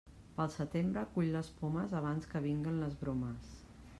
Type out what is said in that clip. Pel setembre, cull les pomes abans que vinguen les bromes.